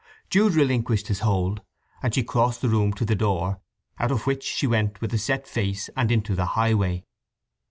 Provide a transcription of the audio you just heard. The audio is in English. Jude relinquished his hold, and she crossed the room to the door, out of which she went with a set face, and into the highway.